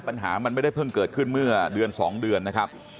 ปัญหามันไม่ได้เพิ่งเกิดขึ้นเมื่อเดือน๒เดือนนะครับ